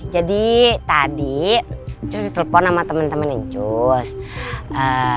jadi tadi cus di telepon sama temen temennya